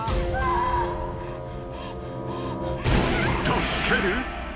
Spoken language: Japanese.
［「助ける？